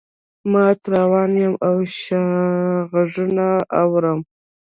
مات روان یمه له شا غــــــــږونه اورم